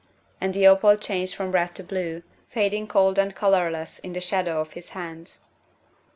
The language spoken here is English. And the opal changed from red to blue, fading cold and colorless in the shadow of his hands.